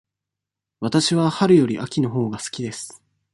わたしは春より秋のほうが好きです。